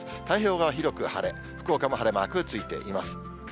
太平洋側、広く晴れ、福岡も晴れマークついています。